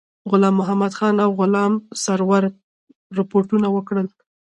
غلام محمدخان او غلام سرور رپوټونه ورکړل.